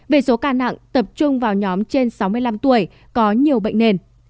về số ca nặng tập trung vào nhóm trên sáu mươi năm tuổi có nhiều bệnh nền